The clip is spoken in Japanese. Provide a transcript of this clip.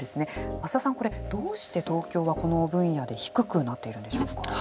増田さん、これ、どうして東京はこの分野で低くなっているんでしょうか。